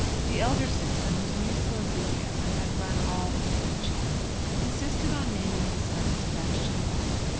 The elder Simpson, whose musical enthusiasm had run all into one channel, insisted on naming his son Sebastian Bach.